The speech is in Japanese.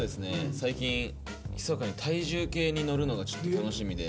最近ひそかに体重計に乗るのが楽しみで。